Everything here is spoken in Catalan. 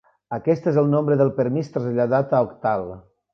Aquest és el nombre del permís traslladat a octal.